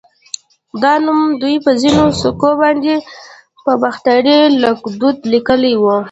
دا نوم دوی په ځینو سکو باندې په باختري ليکدود لیکلی و